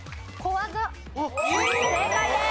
正解です。